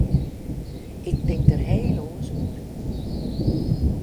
Ik tink der heel oars oer.